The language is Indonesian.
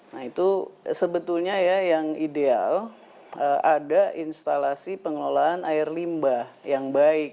nah itu sebetulnya ya yang ideal ada instalasi pengelolaan air limbah yang baik